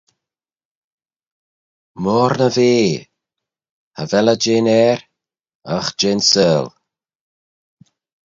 Moyrn y vea, cha vel eh jeh'n Ayr, agh jeh'n seihll.